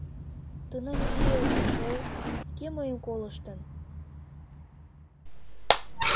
Тунам изи ыльым шол, кӧ мыйым колыштын.